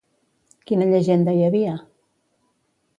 Quina llegenda hi havia?